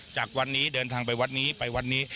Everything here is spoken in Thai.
จากวันนี้เดินทางไปวัดนี้ไปวัดนี้